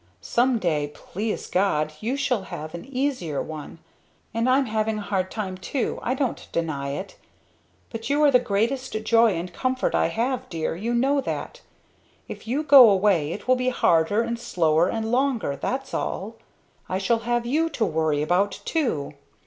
Some day, please God, you shall have an easier one! And I'm having a hard time too I don't deny it. But you are the greatest joy and comfort I have, dear you know that. If you go away it will be harder and slower and longer that's all. I shall have you to worry about too.